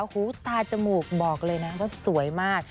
หูตาจมูกบอกเลยนะว่าสวยมาก